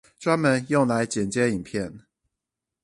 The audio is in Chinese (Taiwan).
專門用來剪接影片